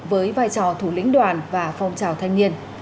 với vai trò thủ lĩnh đoàn và phong trào thanh niên